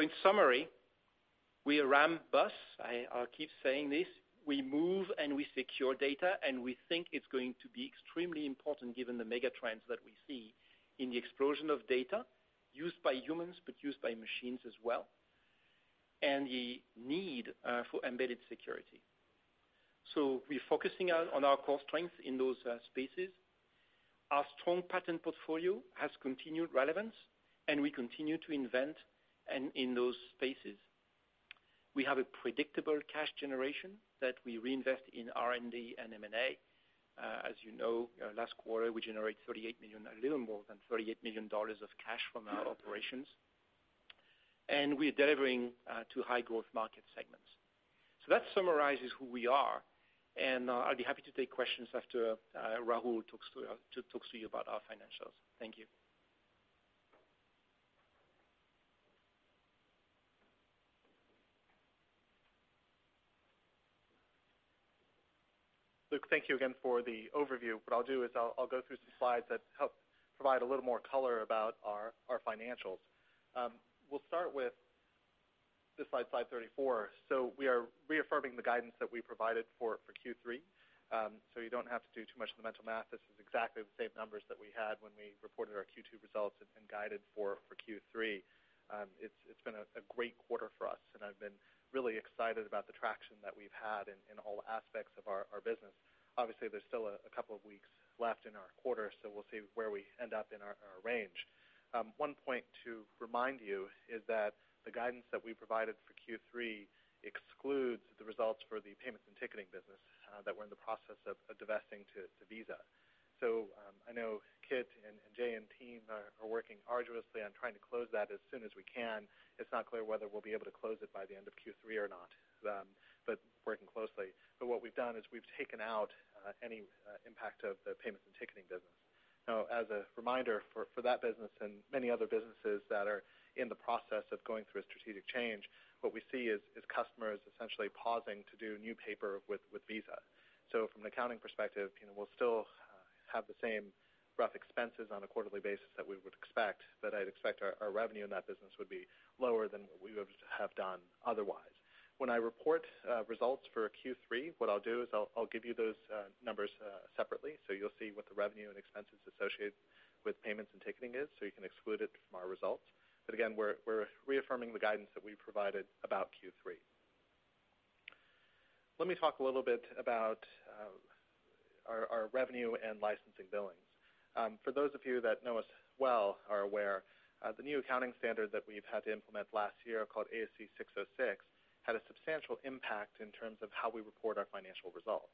[SPEAKER 2] In summary, we are Rambus. I'll keep saying this. We move and we secure data, and we think it's going to be extremely important given the mega trends that we see in the explosion of data used by humans, but used by machines as well, and the need for embedded security. We're focusing on our core strength in those spaces. Our strong patent portfolio has continued relevance, and we continue to invent in those spaces. We have a predictable cash generation that we reinvest in R&D and M&A. As you know, last quarter, we generated a little more than $38 million of cash from our operations. We are delivering two high-growth market segments. That summarizes who we are, and I'll be happy to take questions after Rahul talks to you about our financials. Thank you.
[SPEAKER 1] Luc, thank you again for the overview. What I'll do is I'll go through some slides that help provide a little more color about our financials. We'll start with this slide 34. We are reaffirming the guidance that we provided for Q3. You don't have to do too much of the mental math. This is exactly the same numbers that we had when we reported our Q2 results and guided for Q3. It's been a great quarter for us, and I've been really excited about the traction that we've had in all aspects of our business. Obviously, there's still a couple of weeks left in our quarter, so we'll see where we end up in our range. One point to remind you is that the guidance that we provided for Q3 excludes the results for the payments and ticketing business that we're in the process of divesting to Visa. I know Kit and Jae, and team are working arduously on trying to close that as soon as we can. It's not clear whether we'll be able to close it by the end of Q3 or not, but working closely. What we've done is we've taken out any impact of the payments and ticketing business. As a reminder for that business and many other businesses that are in the process of going through a strategic change, what we see is customers essentially pausing to do new paper with Visa. From an accounting perspective, we'll still have the same rough expenses on a quarterly basis that we would expect, but I'd expect our revenue in that business would be lower than what we would have done otherwise. When I report results for Q3, what I'll do is I'll give you those numbers separately, so you'll see what the revenue and expenses associated with payments and ticketing is, so you can exclude it from our results. Again, we're reaffirming the guidance that we provided about Q3. Let me talk a little bit about our revenue and licensing billings. For those of you that know us well, are aware, the new accounting standard that we've had to implement last year called ASC 606, had a substantial impact in terms of how we report our financial results.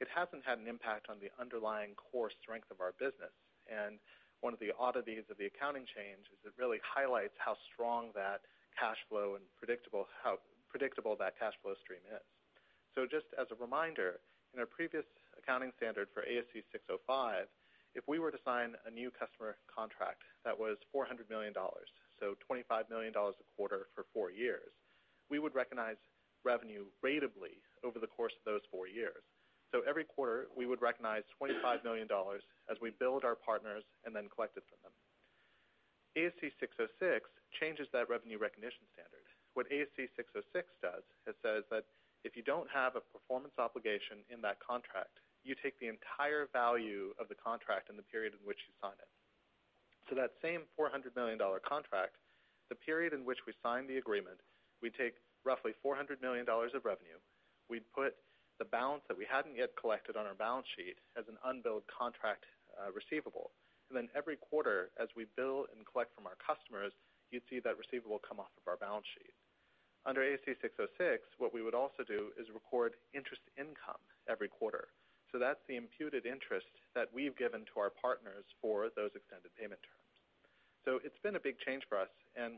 [SPEAKER 1] It hasn't had an impact on the underlying core strength of our business. One of the oddities of the accounting change is it really highlights how strong that cash flow and how predictable that cash flow stream is. Just as a reminder, in our previous accounting standard for ASC 605, if we were to sign a new customer contract that was $400 million, $25 million a quarter for four years, we would recognize revenue ratably over the course of those four years. Every quarter, we would recognize $25 million as we build our partners and then collect it from them. ASC 606 changes that revenue recognition standard. What ASC 606 does, it says that if you don't have a performance obligation in that contract, you take the entire value of the contract in the period in which you sign it. That same $400 million contract, the period in which we signed the agreement, we take roughly $400 million of revenue. We put the balance that we hadn't yet collected on our balance sheet as an unbilled contract receivable. Every quarter, as we bill and collect from our customers, you'd see that receivable come off of our balance sheet. Under ASC 606, what we would also do is record interest income every quarter. That's the imputed interest that we've given to our partners for those extended payment terms. It's been a big change for us.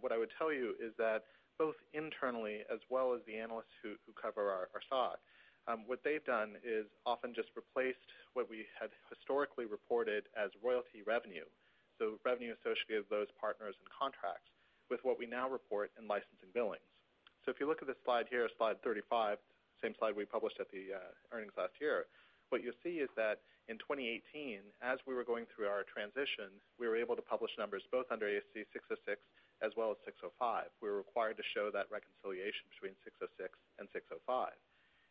[SPEAKER 1] What I would tell you is that both internally as well as the analysts who cover our stock, what they've done is often just replaced what we had historically reported as royalty revenue, so revenue associated with those partners and contracts, with what we now report in licensing billings. If you look at the slide here, slide 35, same slide we published at the earnings last year. What you will see is that in 2018, as we were going through our transition, we were able to publish numbers both under ASC 606 as well as ASC 605. We were required to show that reconciliation between ASC 606 and ASC 605.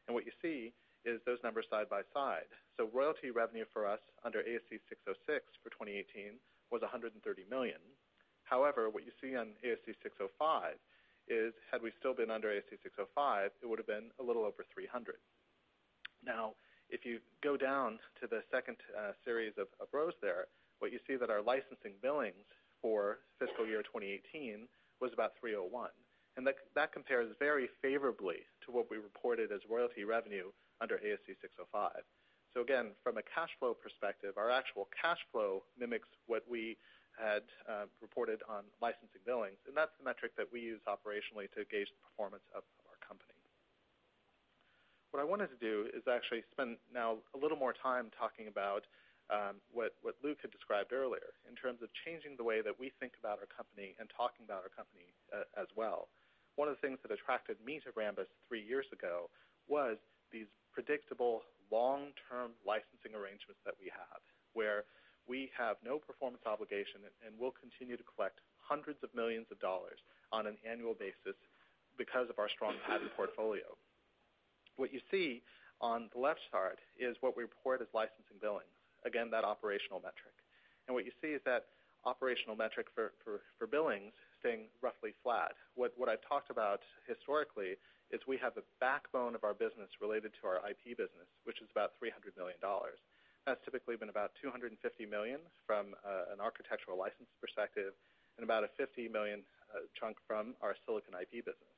[SPEAKER 1] What you see is those numbers side by side. Royalty revenue for us under ASC 606 for 2018 was $130 million. However, what you see on ASC 605 is, had we still been under ASC 605, it would have been a little over $300 million. If you go down to the second series of rows there, what you see that our licensing billings for fiscal year 2018 was about $301 million. That compares very favorably to what we reported as royalty revenue under ASC 605. Again, from a cash flow perspective, our actual cash flow mimics what we had reported on licensing billings, and that's the metric that we use operationally to gauge the performance of our company. What I wanted to do is actually spend now a little more time talking about what Luc had described earlier in terms of changing the way that we think about our company and talking about our company as well. One of the things that attracted me to Rambus three years ago was these predictable long-term licensing arrangements that we have, where we have no performance obligation and will continue to collect hundreds of millions of dollars on an annual basis because of our strong patent portfolio. What you see on the left chart is what we report as licensing billings, again, that operational metric. What you see is that operational metric for billings staying roughly flat. What I've talked about historically is we have the backbone of our business related to our IP business, which is about $300 million. That's typically been about $250 million from an architectural license perspective and about a $50 million chunk from our silicon IP business.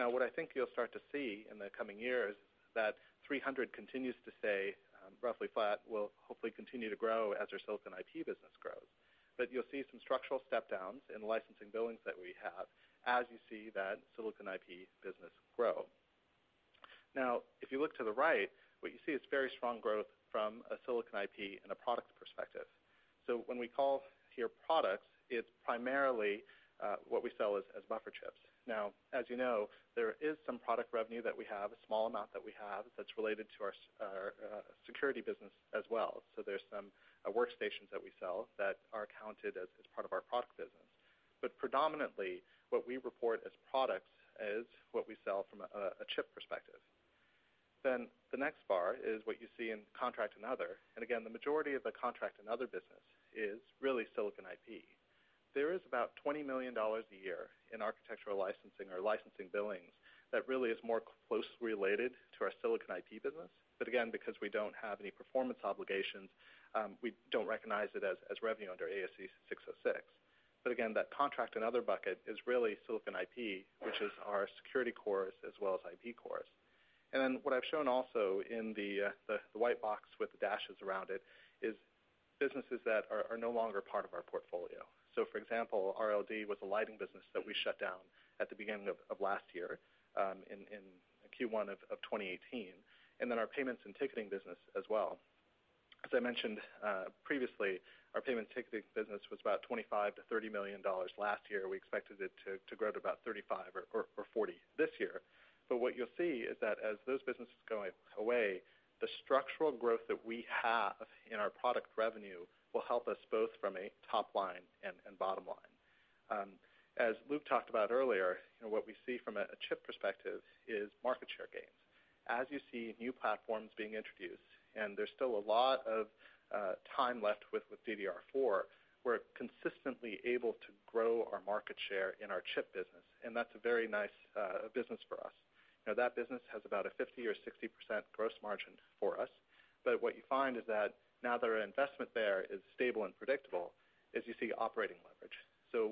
[SPEAKER 1] What I think you'll start to see in the coming years, that $300 continues to stay roughly flat, will hopefully continue to grow as our silicon IP business grows. You'll see some structural step downs in licensing billings that we have as you see that silicon IP business grow. If you look to the right, what you see is very strong growth from a silicon IP and a product perspective. When we call here products, it's primarily what we sell as buffer chips. As you know, there is some product revenue that we have, a small amount that we have, that's related to our security business as well. There's some workstations that we sell that are counted as part of our product business. Predominantly, what we report as products is what we sell from a chip perspective. The next bar is what you see in contract and other. Again, the majority of the contract and other business is really silicon IP. There is about $20 million a year in architectural licensing or licensing billings that really is more closely related to our silicon IP business. Again, because we don't have any performance obligations, we don't recognize it as revenue under ASC 606. Again, that contract and other bucket is really silicon IP, which is our security cores as well as IP cores. What I've shown also in the white box with the dashes around it is businesses that are no longer part of our portfolio. For example, RLD was a lighting business that we shut down at the beginning of last year, in Q1 of 2018, our payments and ticketing business as well. As I mentioned previously, our payments and ticketing business was about $25 million-$30 million last year. We expected it to grow to about $35 million or $40 million this year. What you'll see is that as those businesses go away, the structural growth that we have in our product revenue will help us both from a top line and bottom line. As Luc talked about earlier, what we see from a chip perspective is market share gains. As you see new platforms being introduced, and there's still a lot of time left with DDR4, we're consistently able to grow our market share in our chip business, and that's a very nice business for us. Now, that business has about a 50% or 60% gross margin for us. What you find is that now that our investment there is stable and predictable, is you see operating leverage.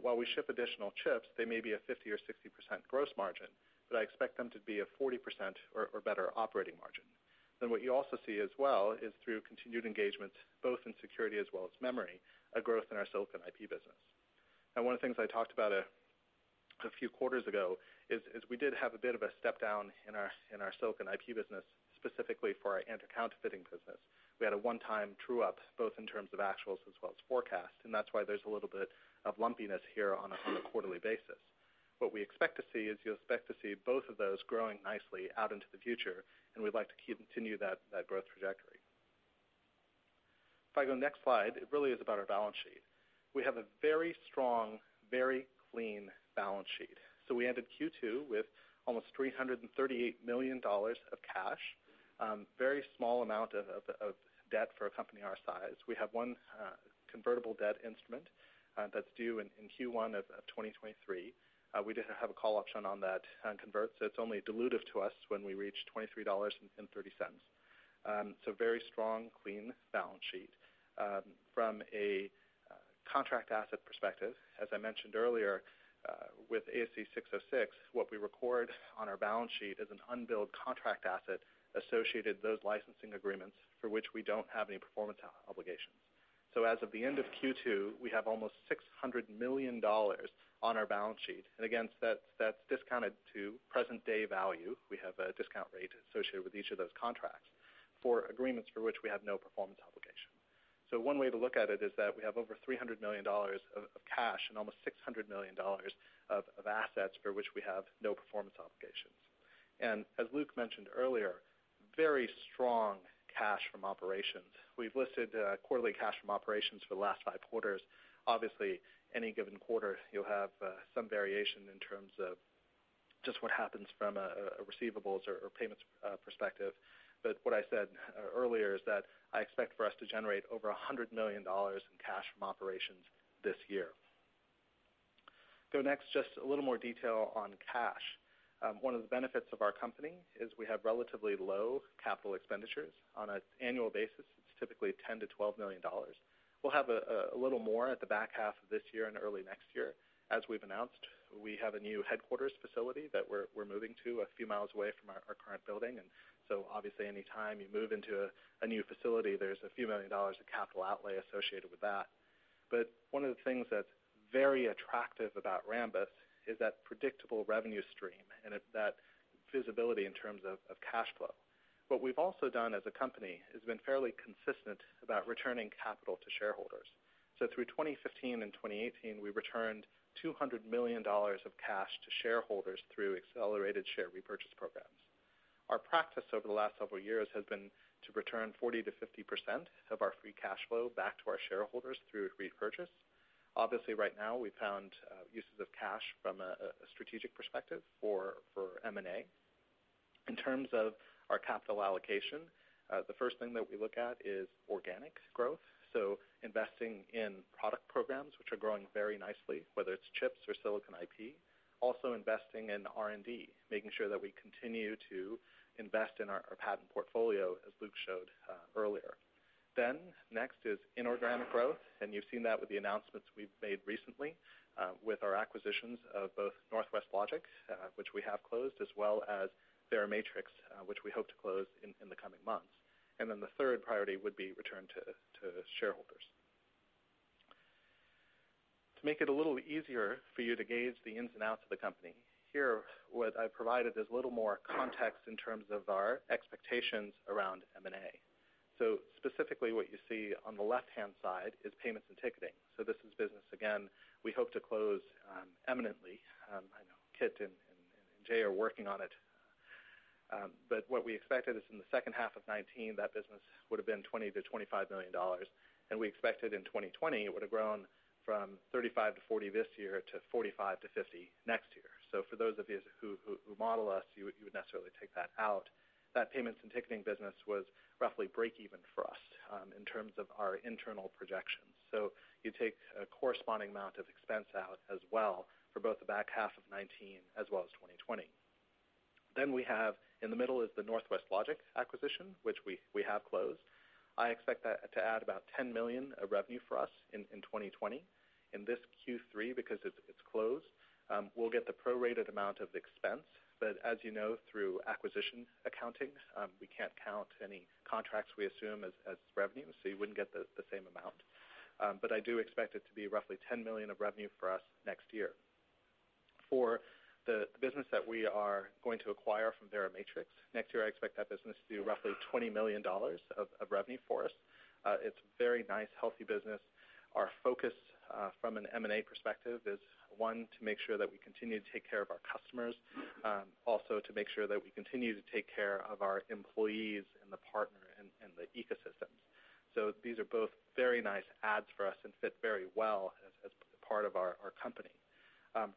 [SPEAKER 1] While we ship additional chips, they may be a 50% or 60% gross margin, but I expect them to be a 40% or better operating margin. What you also see as well is through continued engagement, both in security as well as memory, a growth in our silicon IP business. One of the things I talked about a few quarters ago is we did have a bit of a step down in our silicon IP business, specifically for our anti-counterfeiting business. We had a one-time true-up, both in terms of actuals as well as forecast, that's why there's a little bit of lumpiness here on a quarterly basis. What we expect to see is you'll expect to see both of those growing nicely out into the future, we'd like to continue that growth trajectory. If I go next slide, it really is about our balance sheet. We have a very strong, very clean balance sheet. We ended Q2 with almost $338 million of cash. Very small amount of debt for a company our size. We have one convertible debt instrument that's due in Q1 of 2023. We didn't have a call option on that convert, it's only dilutive to us when we reach $23.30. Very strong, clean balance sheet. From a contract asset perspective, as I mentioned earlier. With ASC 606, what we record on our balance sheet is an unbilled contract asset associated with those licensing agreements for which we don't have any performance obligations. As of the end of Q2, we have almost $600 million on our balance sheet. Again, that's discounted to present day value. We have a discount rate associated with each of those contracts for agreements for which we have no performance obligation. One way to look at it is that we have over $300 million of cash and almost $600 million of assets for which we have no performance obligations. As Luc mentioned earlier, very strong cash from operations. We've listed quarterly cash from operations for the last five quarters. Obviously, any given quarter, you'll have some variation in terms of just what happens from a receivables or payments perspective. What I said earlier is that I expect for us to generate over $100 million in cash from operations this year. Next, just a little more detail on cash. One of the benefits of our company is we have relatively low capital expenditures. On an annual basis, it's typically $10 million to $12 million. We'll have a little more at the back half of this year and early next year. As we've announced, we have a new headquarters facility that we're moving to a few miles away from our current building. Obviously, anytime you move into a new facility, there's a few million dollars of capital outlay associated with that. One of the things that's very attractive about Rambus is that predictable revenue stream and that visibility in terms of cash flow. What we've also done as a company has been fairly consistent about returning capital to shareholders. Through 2015 and 2018, we returned $200 million of cash to shareholders through accelerated share repurchase programs. Our practice over the last several years has been to return 40%-50% of our free cash flow back to our shareholders through repurchase. Right now, we found uses of cash from a strategic perspective for M&A. In terms of our capital allocation, the first thing that we look at is organic growth, so investing in product programs, which are growing very nicely, whether it's chips or Silicon IP, also investing in R&D, making sure that we continue to invest in our patent portfolio, as Luc showed earlier. Next is inorganic growth, and you've seen that with the announcements we've made recently with our acquisitions of both Northwest Logic, which we have closed, as well as Verimatrix, which we hope to close in the coming months. The third priority would be return to shareholders. To make it a little easier for you to gauge the ins and outs of the company, here what I've provided is a little more context in terms of our expectations around M&A. Specifically, what you see on the left-hand side is payments and ticketing. This is business, again, we hope to close imminently. I know [Kit] and Jae are working on it. What we expected is in the second half of 2019, that business would have been $20 million-$25 million, and we expected in 2020 it would have grown from $35-$40 this year to $45-$50 next year. For those of you who model us, you would necessarily take that out. That payments and ticketing business was roughly break even for us in terms of our internal projections. You take a corresponding amount of expense out as well for both the back half of 2019 as well as 2020. We have in the middle is the Northwest Logic acquisition, which we have closed. I expect that to add about $10 million of revenue for us in 2020. In this Q3, because it's closed, we'll get the prorated amount of expense, as you know, through acquisition accounting, we can't count any contracts we assume as revenue, so you wouldn't get the same amount. I do expect it to be roughly $10 million of revenue for us next year. For the business that we are going to acquire from Verimatrix, next year I expect that business to do roughly $20 million of revenue for us. It's a very nice, healthy business. Our focus from an M&A perspective is, one, to make sure that we continue to take care of our customers, also to make sure that we continue to take care of our employees and the partner and the ecosystems. These are both very nice adds for us and fit very well as part of our company.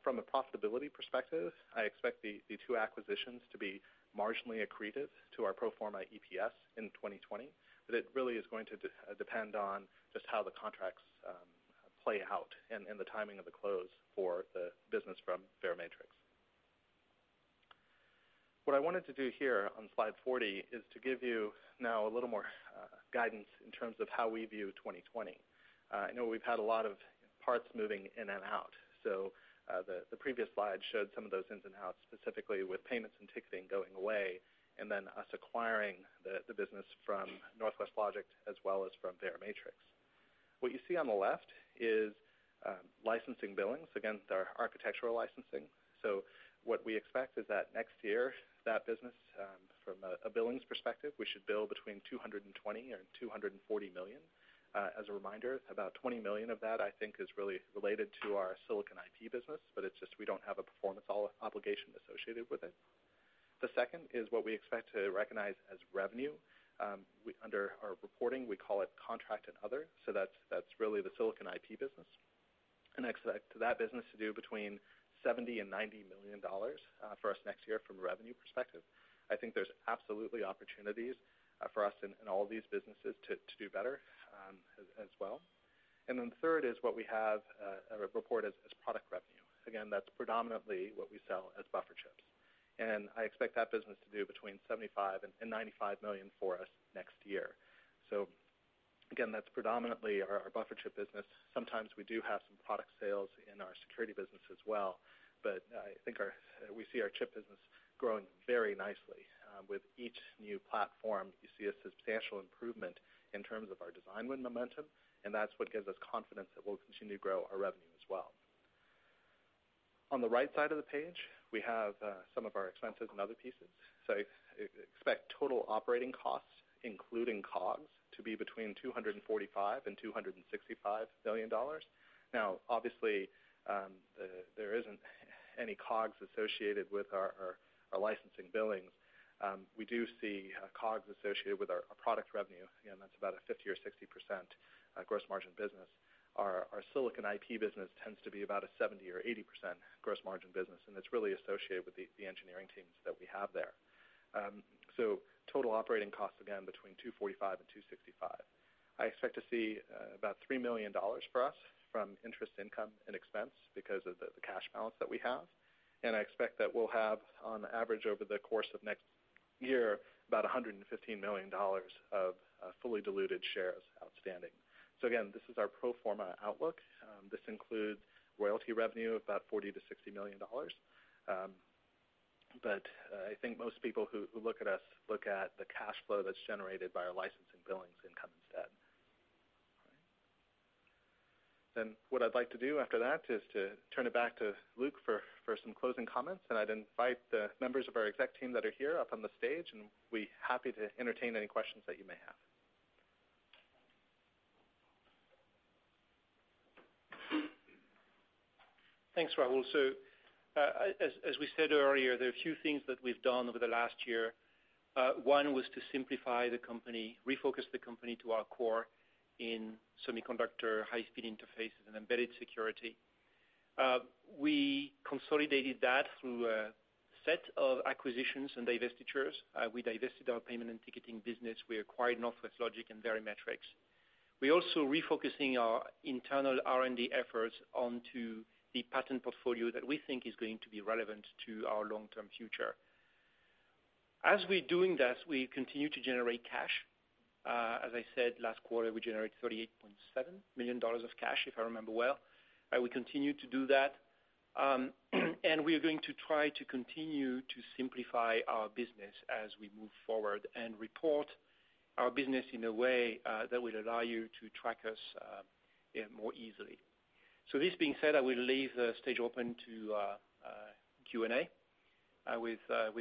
[SPEAKER 1] From a profitability perspective, I expect the two acquisitions to be marginally accretive to our pro forma EPS in 2020, but it really is going to depend on just how the contracts play out and the timing of the close for the business from Verimatrix. What I wanted to do here on slide 40 is to give you now a little more guidance in terms of how we view 2020. I know we've had a lot of parts moving in and out. The previous slide showed some of those ins and outs, specifically with payments and ticketing going away, and then us acquiring the business from Northwest Logic as well as from Verimatrix. What you see on the left is licensing billings against our architectural licensing. What we expect is that next year, that business from a billings perspective, we should bill between $220 million-$240 million. As a reminder, about $20 million of that I think is really related to our Silicon IP business, but it's just we don't have a performance obligation associated with it. Second is what we expect to recognize as revenue. Under our reporting, we call it contract and other. That's really the Silicon IP business, and I expect that business to do between $70 million-$90 million for us next year from a revenue perspective. I think there's absolutely opportunities for us in all these businesses to do better as well. Then third is what we have reported as product revenue. Again, that's predominantly what we sell as buffer chips. I expect that business to do between $75 million-$95 million for us next year. Again, that's predominantly our buffer chip business. Sometimes we do have some product sales in our security business as well. I think we see our chip business growing very nicely. With each new platform, you see a substantial improvement in terms of our design win momentum, and that's what gives us confidence that we'll continue to grow our revenue as well. On the right side of the page, we have some of our expenses and other pieces. Expect total operating costs, including COGS, to be between $245 million-$265 million. Obviously, there isn't any COGS associated with our licensing billings. We do see COGS associated with our product revenue. Again, that's about a 50% or 60% gross margin business. Our silicon IP business tends to be about a 70% or 80% gross margin business, and it's really associated with the engineering teams that we have there. Total operating costs, again, between $245 million and $265 million. I expect to see about $3 million for us from interest income and expense because of the cash balance that we have. I expect that we'll have, on average, over the course of next year, about $115 million of fully diluted shares outstanding. Again, this is our pro forma outlook. This includes royalty revenue of about $40 million-$60 million. I think most people who look at us look at the cash flow that's generated by our license and billings income instead. What I'd like to do after that is to turn it back to Luc for some closing comments, and I'd invite the members of our exec team that are here up on the stage, and we're happy to entertain any questions that you may have.
[SPEAKER 2] Thanks, Rahul. As we said earlier, there are a few things that we've done over the last year. One was to simplify the company, refocus the company to our core in semiconductor high-speed interfaces and embedded security. We consolidated that through a set of acquisitions and divestitures. We divested our payment and ticketing business. We acquired Northwest Logic and Verimatrix. We're also refocusing our internal R&D efforts onto the patent portfolio that we think is going to be relevant to our long-term future. As we're doing this, we continue to generate cash. As I said, last quarter, we generated $38.7 million of cash, if I remember well. We continue to do that. We are going to try to continue to simplify our business as we move forward and report our business in a way that will allow you to track us more easily. This being said, I will leave the stage open to Q&A.